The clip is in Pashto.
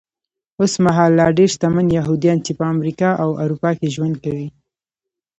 اوسمهال لا ډېر شتمن یهوديان چې په امریکا او اروپا کې ژوند کوي.